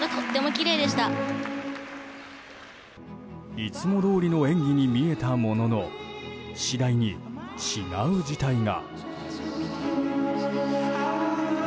いつもどおりの演技に見えたものの次第に違う事態が。